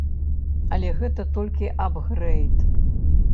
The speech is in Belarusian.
Але гэта толькі ап-грэйд.